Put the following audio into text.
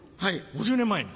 ５０年前に。